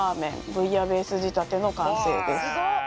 ブイヤベース仕立ての完成です